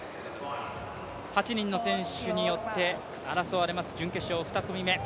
８人の選手にちょって争われます準決勝２組目。